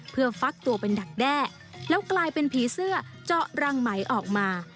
เพื่อฟักตัวเป็นดักแด้แล้วกลายเป็นผีเสื้อเจาะรังไหมออกมา